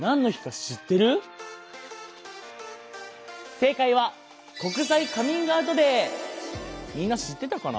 正解はみんな知ってたかな？